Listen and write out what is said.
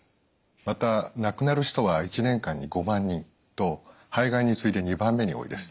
また亡くなる人は１年間に５万人と肺がんに次いで２番目に多いです。